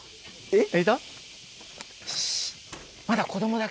えっ？